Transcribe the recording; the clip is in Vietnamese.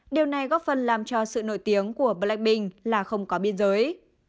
điều này góp phần làm cho sự nổi tiếng của blackpink là không có biên giới